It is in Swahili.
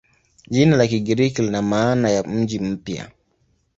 Jina la Kigiriki lina maana ya "mji mpya".